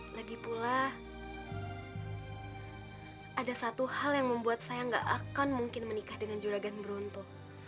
lagi pula ada satu hal yang membuat saya gak akan mungkin menikah dengan juragan bronto